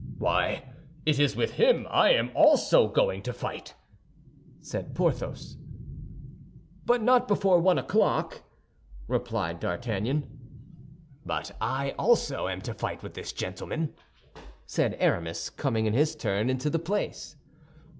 "Why, it is with him I am also going to fight," said Porthos. "But not before one o'clock," replied D'Artagnan. "And I also am to fight with this gentleman," said Aramis, coming in his turn onto the place.